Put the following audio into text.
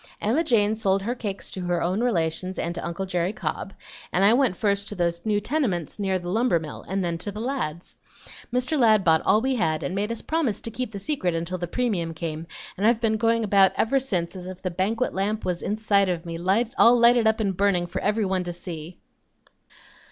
"Emma Jane sold her cakes to her own relations and to uncle Jerry Cobb, and I went first to those new tenements near the lumber mill, and then to the Ladds'. Mr. Ladd bought all we had and made us promise to keep the secret until the premium came, and I've been going about ever since as if the banquet lamp was inside of me all lighted up and burning, for everybody to see."